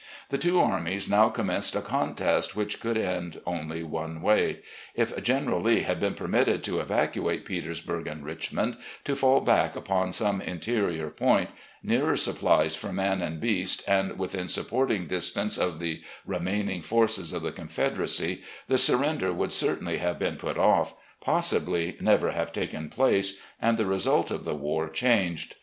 The two armies now commenced a contest which could end only one way. If (General Lee had been permitted to evacuate Petersburg and Richmond, to fall back upon 130 RECOLLECTIONS OP GENERAL LEE some interior point, nearer supplies for man and beast and within supporting distance of the re maining forces of the Confederacy, the surrender would certainly have been put off — ^possibly never have taken place — ^and the result of the war changed.